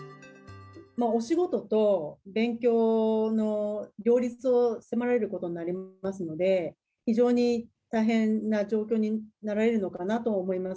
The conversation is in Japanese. お仕事と勉強の両立を迫られることになりますので、非常に大変な状況になられるのかなと思います。